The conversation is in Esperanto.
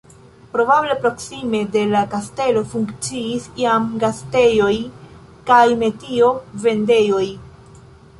Probable proksime de la kastelo funkciis jam gastejoj kaj metio-vendejoj.